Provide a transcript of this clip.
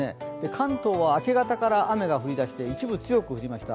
関東は明け方から雨が降り出して、一部強く降りました。